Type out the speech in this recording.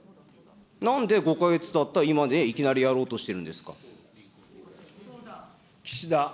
なんで５か月たった今で、いきなりやろうとしているんですか。